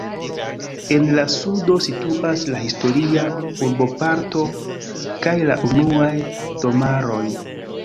En la sudo situas la historia urboparto kaj la unuaj domaroj.